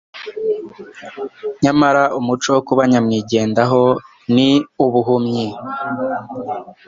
Nyamara umuco wo kuba nyamwigendaho ni ubuhumyi